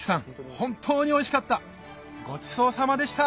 本当においしかったごちそうさまでした！